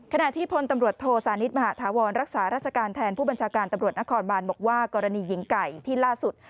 ขณะที่พลตำรวจโทสานิทมหาธาวรรักษาราชการแทนผู้บัญชาการตำรวจนครบานบอกว่ากรณีหญิงไก่ที่ล่าสุด